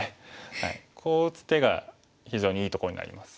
こう打つ手が非常にいいところになります。